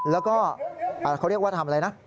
แล้วก็เขาเรียกว่าทำอะไรนะ